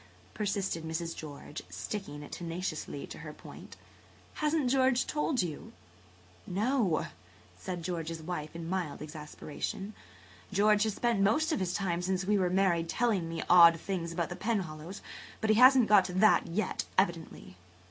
" persisted Mrs. George, sticking tenaciously to her point. "Hasn't George told you?" [Page 141] "No," said George's wife in mild exasperation. "George has spent most of his time since we were married telling me odd things about the Penhallows, but he hasn't got to that yet, evidently."